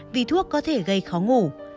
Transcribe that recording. vì thuốc có thể gây khó ngủ